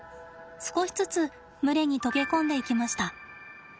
少しずつ群れに溶け込んでいきました。